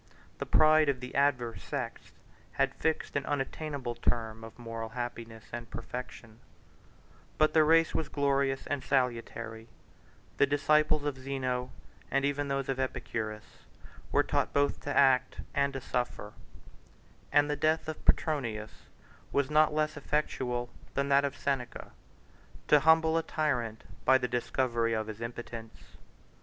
The pride of the adverse sects had fixed an unattainable term of moral happiness and perfection; but the race was glorious and salutary; the disciples of Zeno, and even those of Epicurus, were taught both to act and to suffer; and the death of Petronius was not less effectual than that of Seneca, to humble a tyrant by the discovery of his impotence.